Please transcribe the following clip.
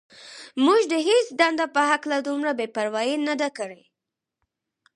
موږ د هېڅ دندې په هکله دومره بې پروايي نه ده کړې.